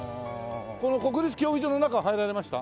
この国立競技場の中は入られました？